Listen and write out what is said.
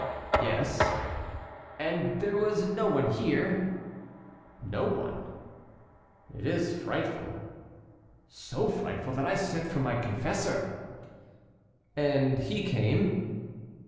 "Yes." "And there was no one here?" "No one." "It is frightful." "So frightful, that I sent for my confessor." "And he came?"